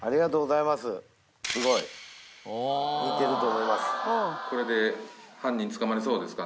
すごい似てると思います。